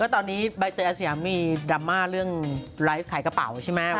ตอนนี้ใบเตยอาสยามมีดราม่าเรื่องไลฟ์ขายกระเป๋าใช่ไหม